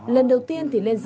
lần đầu tiên thì lên rừng hái